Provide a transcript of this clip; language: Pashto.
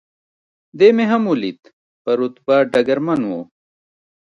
دی مې هم ولید، په رتبه ډګرمن و.